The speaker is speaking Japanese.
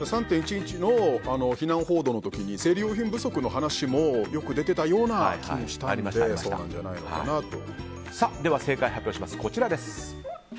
３・１１の避難報道の時に生理用品不足の話もよく出ていたような気もしたので正解を発表します。